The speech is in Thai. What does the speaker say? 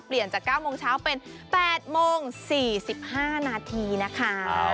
จาก๙โมงเช้าเป็น๘โมง๔๕นาทีนะคะ